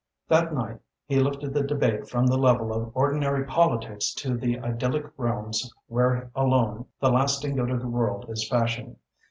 That night he lifted the debate from the level of ordinary politics to the idyllic realms where alone the lasting good of the world is fashioned.